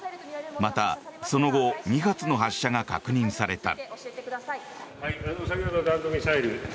また、その後２発の発射が確認された。